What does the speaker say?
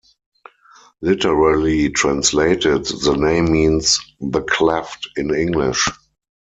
Literally translated, the name means 'the cleft' in English.